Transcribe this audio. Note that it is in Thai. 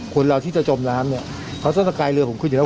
คนเราที่จะจมน้ำเนี่ยเพราะถ้าสกายเรือผมขึ้นอยู่แล้ว